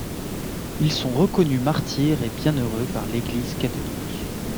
Ils sont reconnus martyrs et bienheureux par l'Église catholique.